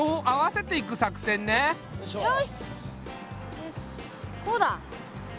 よしこうだ。